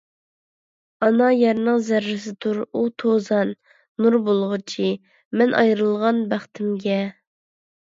ئانا يەرنىڭ زەررىسىدۇر ئۇ توزان، نۇر بولغۇچى، مەن ئايرىلغان بەختىمگە!